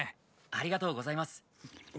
ありがとうございます。